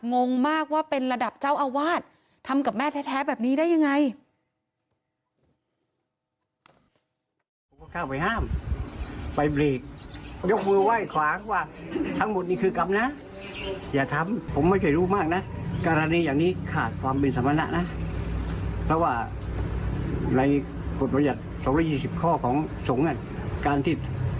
งงมากว่าเป็นระดับเจ้าอาวาสทำกับแม่แท้แบบนี้ได้ยังไง